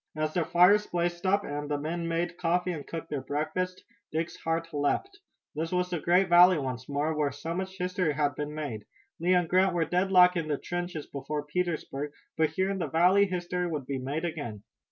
As the fires blazed up and the men made coffee and cooked their breakfasts, Dick's heart leaped. This was the great valley once more, where so much history had been made. Lee and Grant were deadlocked in the trenches before Petersburg, but here in the valley history would be made again.